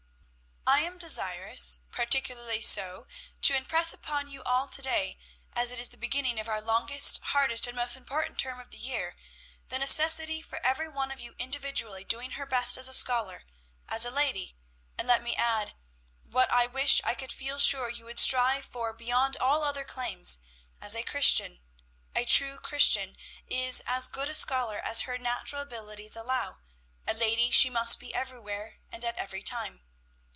"I am desirous, particularly so, to impress upon you all to day, as it is the beginning of our longest, hardest, and most important term of the year, the necessity for every one of you individually doing her best as a scholar, as a lady, and, let me add, what I wish I could feel sure you would strive for beyond all other claims, as a Christian. A true Christian is as good a scholar as her natural abilities allow, a lady she must be everywhere, and at every time.